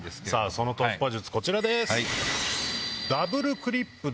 その突破術こちらです。